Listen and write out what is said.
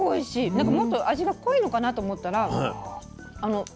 なんかもっと味が濃いのかなと思ったらいいお味。